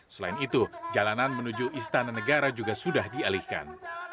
selain itu jalanan menuju istana negara juga sudah dialihkan